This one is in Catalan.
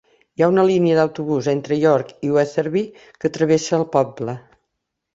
Hi ha una línia d'autobús entre York i Wetherby que travessa el poble.